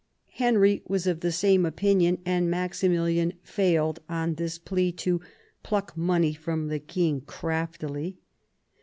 Henry was of the same opinion ; and Maximilian failed on this plea " to pluck money from the king craftily."